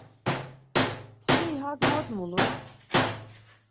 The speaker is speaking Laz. Si hak mot mulur!